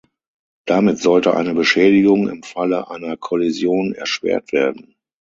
Damit sollte eine Beschädigung im Falle einer Kollision erschwert werden.